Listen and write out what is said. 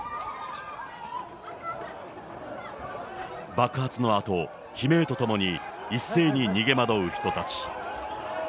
爆発のあと、悲鳴とともに一斉に逃げ惑う人たち。